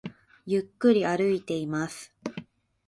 ゆっくり歩いています